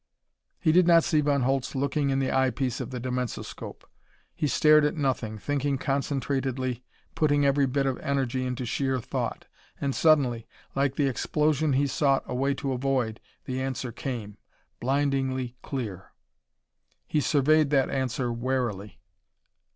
He did not see Von Holtz looking in the eyepiece of the dimensoscope. He stared at nothing, thinking concentratedly, putting every bit of energy into sheer thought. And suddenly, like the explosion he sought a way to avoid, the answer came, blindingly clear. He surveyed that answer warily.